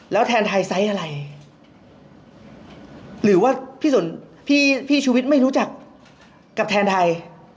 แล้วแทนไทยไซส์อะไรหรือว่าพี่ชูวิทย์ไม่รู้จักกับแทนไทย